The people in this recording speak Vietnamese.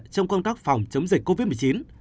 trong công tác phòng chống dịch covid một mươi chín